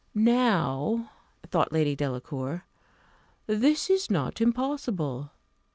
"Now," thought Lady Delacour, "this is not impossible.